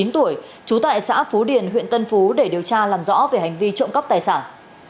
chín tuổi trú tại xã phú điền huyện tân phú để điều tra làm rõ về hành vi trộm cắp tài sản